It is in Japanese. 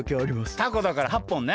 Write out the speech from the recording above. たこだから８ぽんね。